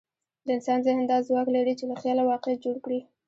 د انسان ذهن دا ځواک لري، چې له خیال واقعیت جوړ کړي.